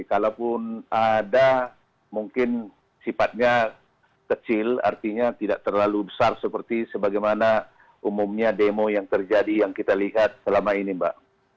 kalaupun ada mungkin sifatnya kecil artinya tidak terlalu besar seperti sebagaimana umumnya demo yang terjadi yang kita lihat selama ini mbak